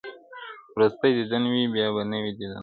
وروستی دیدن دی بیا به نه وي دیدنونه.